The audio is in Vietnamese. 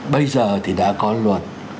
bây giờ thì đã có luật